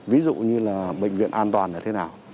ví dụ như là bệnh viện an toàn